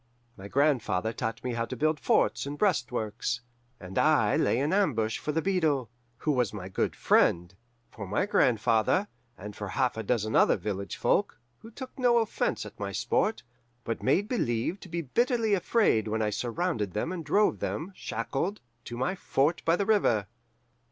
"My grandfather taught me how to build forts and breastworks, and I lay in ambush for the beadle, who was my good friend, for my grandfather, and for half a dozen other village folk, who took no offense at my sport, but made believe to be bitterly afraid when I surrounded them and drove them, shackled, to my fort by the river.